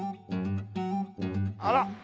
あら！